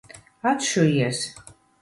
Atšujies!